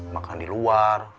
makan di luar